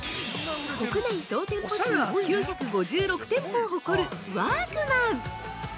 国内総店舗数９５６店舗を誇るワークマン。